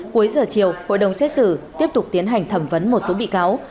cuối giờ chiều hội đồng xét xử tiếp tục tiến hành thẩm vấn một số bị cáo